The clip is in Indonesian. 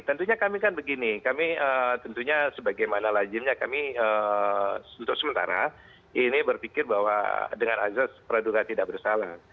tentunya kami kan begini kami tentunya sebagaimana lajimnya kami untuk sementara ini berpikir bahwa dengan azas praduga tidak bersalah